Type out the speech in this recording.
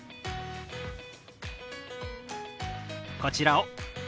こちらを。